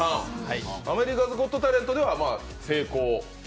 「アメリカズ・ゴット・タレント」では成功？